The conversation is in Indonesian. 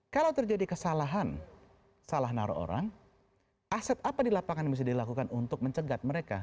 kalau terjadi kesalahan salah naruh orang aset apa di lapangan yang bisa dilakukan untuk mencegah mereka